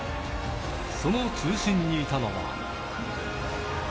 その中心にいたのは。